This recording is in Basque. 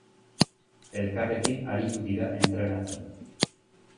Elkarrekin aritu dira entrenatzen.